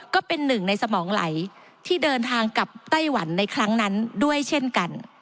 ก็เป็นหนึ่งในสมองไหลที่เดินทางกับไต้หวันในครั้งนั้นด้วยเช่นกัน